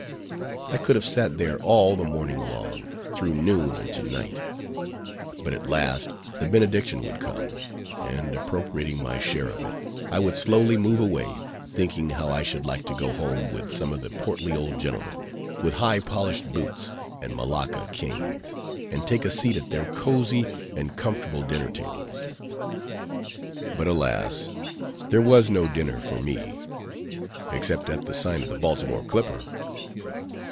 I could have sat there all the morning long, through noon, unto night. But at last the benediction would come; and appropriating my share of it, I would slowly move away, thinking how I should like to go home with some of the portly old gentlemen, with high polished boots and Malacca canes, and take a seat at their cosy and comfortable dinner tables. But, alas! there was no dinner for me except at the sign of the Baltimore Clipper.